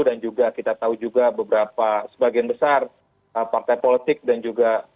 dan juga kita tahu juga beberapa sebagian besar partai politik dan juga